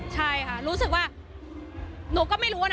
ใช่ค่ะรู้สึกว่าหนูก็ไม่รู้นะ